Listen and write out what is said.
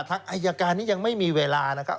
ทางอายการนี้ยังไม่มีเวลานะครับ